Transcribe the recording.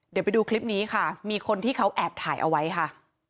เดี๋ยวไปดูคลิปนี้ค่ะมีคนที่เขาแอบถ่ายเอาไว้ค่ะ